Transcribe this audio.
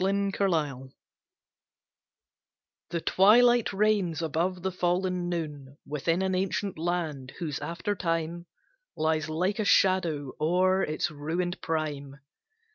A DEAD CITY The twilight reigns above the fallen noon Within an ancient land, whose after time Lies like a shadow o'er its ruined prime.